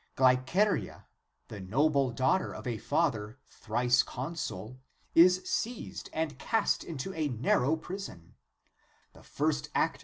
Glyceria, the noble daughter of a father thrice consul, is seized and cast into a narrow * See their Acts.